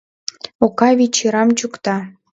Окавий чырам чӱкта.